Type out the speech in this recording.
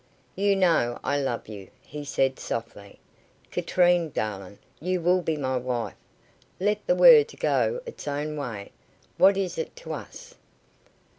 "You know I love you," he said softly. "Katrine darling you will be my wife. Let the world go its own way, what is it to us?"